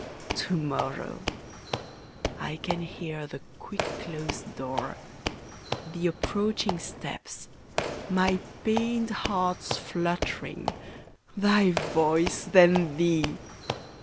To morrow! I can hear the quick closed door, The approaching steps, my pained heart's fluttering, Thy voice, then Thee!